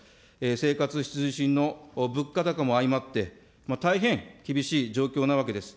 生活必需品の物価高も相まって、大変厳しい状況なわけです。